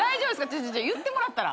ちょ言ってもらったら。